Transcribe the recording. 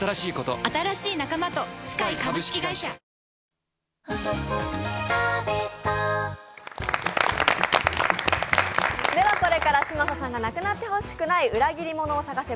続くではこれから嶋佐さんが無くなってほしくない「裏切り者を探せ！